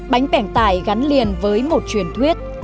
bánh bẻng tải gắn liền với một truyền thuyết